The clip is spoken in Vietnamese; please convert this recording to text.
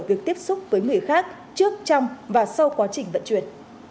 việc tiếp xúc với người khác trước trong và sau quá trình vận chuyển